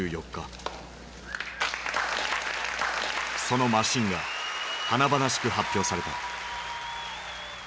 そのマシンが華々しく発表された。